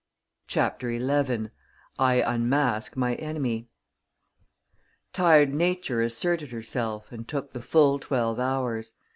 CHAPTER XI I Unmask My Enemy Tired Nature asserted herself and took the full twelve hours.